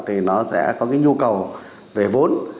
thì nó sẽ có cái nhu cầu về vốn